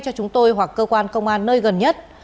cho chúng tôi hoặc cơ quan công an nơi gần nhất